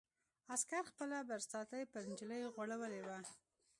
عسکر خپله برساتۍ پر نجلۍ غوړولې وه.